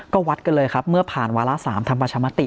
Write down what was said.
ก็วัดกันเลยครับเมื่อผ่านวาระ๓ทำประชามติ